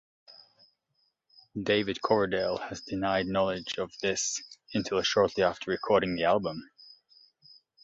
David Coverdale has denied knowledge of this until shortly after recording the album.